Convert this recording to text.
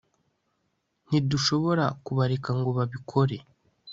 ntidushobora kubareka ngo babikore